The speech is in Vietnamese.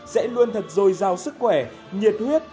sẽ luôn thật dồi dào sức khỏe nhiệt huyết